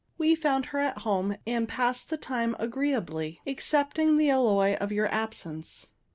We found her at home, and passed the time agreeably, excepting the alloy of your absence.